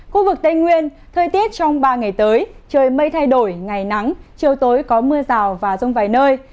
khu vực tây nguyên thời tiết trong ba ngày tới trời mây thay đổi ngày nắng chiều tối có mưa rào và rông vài nơi